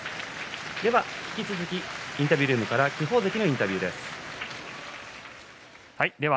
引き続きインタビュールームから輝鵬関のインタビューです。